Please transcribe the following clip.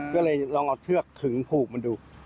ก็เลยลองเอาเชือกขึงผูกมันดู